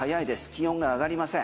気温が上がりません。